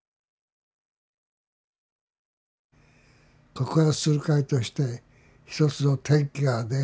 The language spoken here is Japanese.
告発する会として一つの転機がね